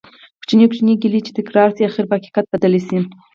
کوچنی کوچنی ګېلې چې تکرار شي ،اخير په حقيقت بدلي شي